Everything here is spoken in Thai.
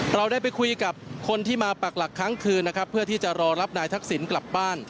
เราได้ไปคุยกับคนที่มาปักหลักครั้งคืนนะครับเพื่อที่จะรอรับนายทักษิณกลับบ้าน